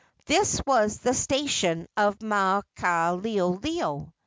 This was the station of Maukaleoleo.